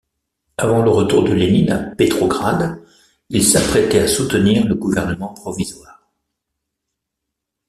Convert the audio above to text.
Avant le retour de Lénine à Pétrograd, il s'apprêtait à soutenir le gouvernement provisoire.